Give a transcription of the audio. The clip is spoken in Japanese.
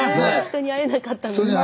人に会えなかったのに。